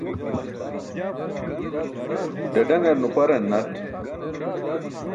Ḍaḍaṅar nuparn naṭ